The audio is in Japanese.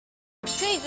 クイズ！